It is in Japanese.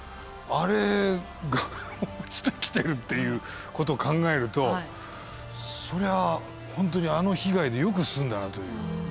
あれが落ちてきてるっていうことを考えるとそれは本当にあの被害でよく済んだなという。